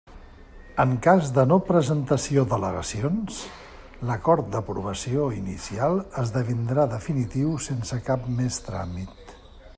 En cas de no presentació d'al·legacions, l'acord d'aprovació inicial esdevindrà definitiu sense cap més tràmit.